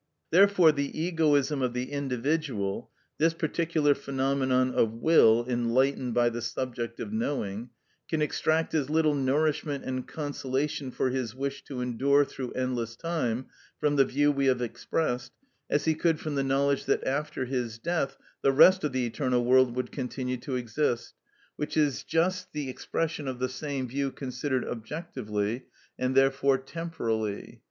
Therefore the egoism of the individual (this particular phenomenon of will enlightened by the subject of knowing) can extract as little nourishment and consolation for his wish to endure through endless time from the view we have expressed, as he could from the knowledge that after his death the rest of the eternal world would continue to exist, which is just the expression of the same view considered objectively, and therefore temporally.